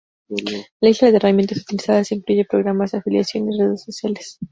La lista de herramientas utilizadas incluye programas de afiliación y redes sociales.